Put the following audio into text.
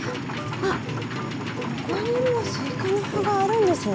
あっここにもスイカの葉があるんですね。